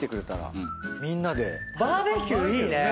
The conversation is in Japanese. バーベキューいいね。